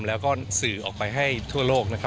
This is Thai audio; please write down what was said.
แล้วก็สื่อออกไปให้ทั่วโลก